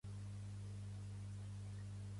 Softcatalà